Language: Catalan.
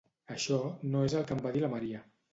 Això no és el que em va dir la Maria.